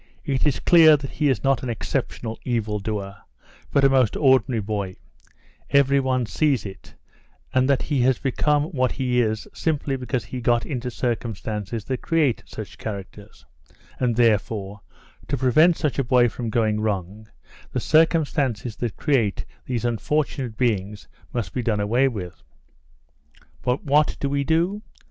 It is clear that he is not an exceptional evil doer, but a most ordinary boy; every one sees it and that he has become what he is simply because he got into circumstances that create such characters, and, therefore, to prevent such a boy from going wrong the circumstances that create these unfortunate beings must be done away with. "But what do we do?